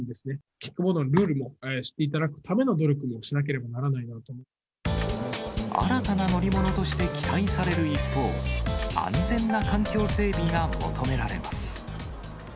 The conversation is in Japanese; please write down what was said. キックボードのルールも知っていただくための努力をしなければな新たな乗り物として期待される一方、安全な環境整備が求められます。